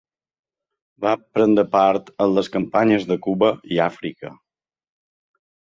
Va prendre part en les campanyes de Cuba i Àfrica.